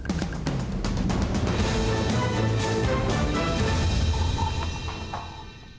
terima kasih banyak